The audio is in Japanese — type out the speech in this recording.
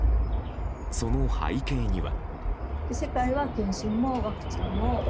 その背景には。